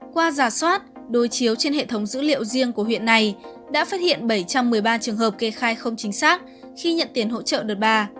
qua giả soát đối chiếu trên hệ thống dữ liệu riêng của huyện này đã phát hiện bảy trăm một mươi ba trường hợp kê khai không chính xác khi nhận tiền hỗ trợ đợt ba